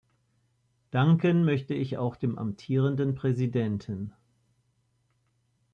Danken möchte ich auch dem amtierenden Präsidenten.